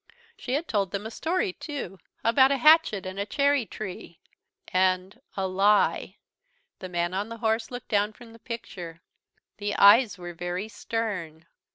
She had told them a story, too, about a hatchet and a cherry tree and a lie! The man on the horse looked down from the picture. The eyes were very stern.